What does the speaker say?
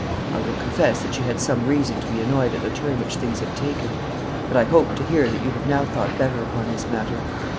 I will confess that she had some reason to be annoyed at the turn which things had taken. But I hope to hear that you have now thought better upon this matter.'